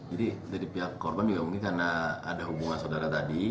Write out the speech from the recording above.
jadi dari pihak korban mungkin karena ada hubungan saudara tadi